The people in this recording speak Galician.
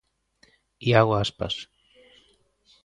Iago Aspas.